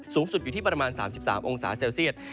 สูงสุดอยู่ที่ประมาณ๓๓องศาเซลเซียต